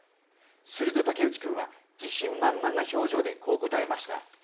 すると武内君は自信満々な表情でこう答えました。